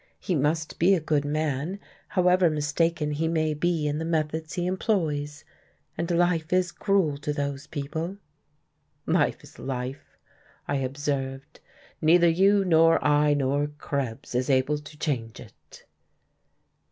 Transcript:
He must be a good man, however mistaken he may be in the methods he employs. And life is cruel to those people." "Life is life," I observed. "Neither you nor I nor Krebs is able to change it."